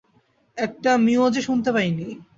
একটা মিউও যে শুনতে পাইনি।